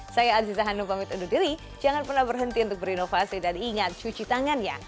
saya aziza hanum pamit undur diri jangan pernah berhenti untuk berinovasi dan ingat cuci tangan ya